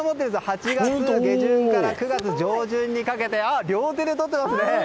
８月下旬から９月上旬にかけて両手でとってますね！